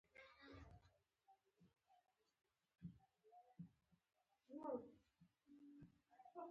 د دال پوستکی د څه لپاره لرې کړم؟